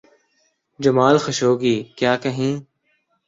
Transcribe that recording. جمال Khashoggi… کیا کہیں؟